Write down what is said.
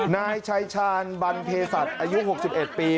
นายชายชาญบันเพศัตริย์อายุ๖๑ปี